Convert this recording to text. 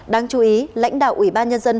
đáng chú ý lãnh đạo ủy ban nhân dân